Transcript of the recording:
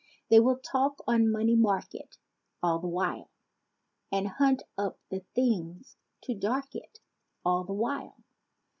They will talk on "money market" All the while. And hunt up the things to dark it All the while.